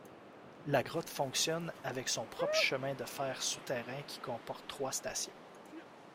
La grotte fonctionne avec son propre chemin de fer souterrain qui comporte trois stations.